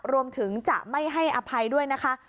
รวมถึงจะไม่ให้อภัยด้วยนะคะ